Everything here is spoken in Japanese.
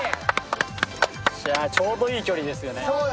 ちょうどいい距離ですよね。